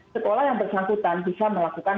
sekolah yang bersangkutan bisa melakukan